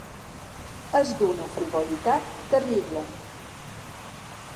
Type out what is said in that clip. És d’una frivolitat terrible.